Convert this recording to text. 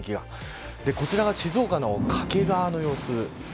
こちらは静岡の掛川の様子。